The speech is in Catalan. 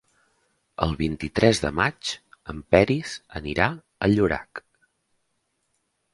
El vint-i-tres de maig en Peris anirà a Llorac.